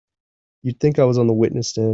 You'd think I was on the witness stand!